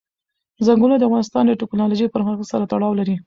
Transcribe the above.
ځنګلونه د افغانستان د تکنالوژۍ پرمختګ سره تړاو لري.